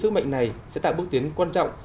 sức mạnh này sẽ tạo bước tiến quan trọng